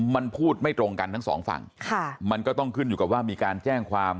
มันพูดไม่ตรงกันทั้งสองฝั่งค่ะมันก็ต้องขึ้นอยู่กับว่ามีการแจ้งความ